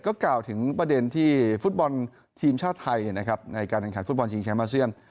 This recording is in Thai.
ก็กล่าวถึงประเด็นที่ฟุตบอลทีมชาติไทยนะครับในการแข่งขันฟุตบอลชิงแชมป์อาเซียน